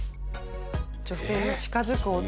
女性に近づく男。